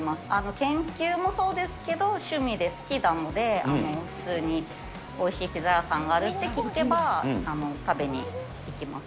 研究もそうですけど、趣味で好きなので、普通においしいピザ屋さんがあるって聞けば食べに行きます。